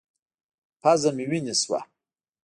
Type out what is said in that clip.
پزه مې وينې سوه.